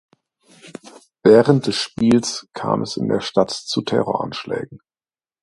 Während des Spiels kam es in der Stadt zu Terroranschlägen.